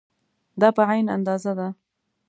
دا په عین اندازه ده.